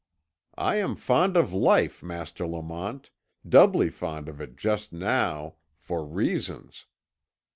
I am fond of life, Master Lamont, doubly fond of it just now, for reasons."